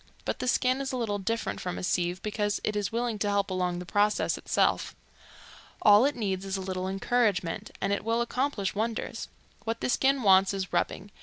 But the skin is a little different from a sieve, because it is willing to help along the process itself. All it needs is a little encouragement and it will accomplish wonders. What the skin wants is rubbing.